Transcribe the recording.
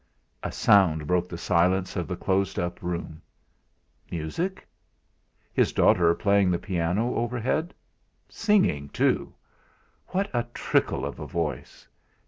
A sound broke the silence of the closed up room. Music? His daughter playing the piano overhead. Singing too! What a trickle of a voice!